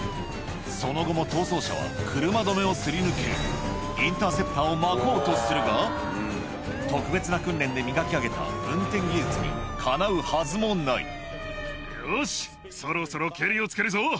その後も逃走車は車止めを擦り抜けインターセプターをまこうとするが特別な訓練で磨き上げた運転技術にかなうはずもないよし。